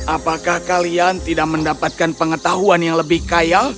apakah kalian tidak mendapatkan pengetahuan yang lebih kaya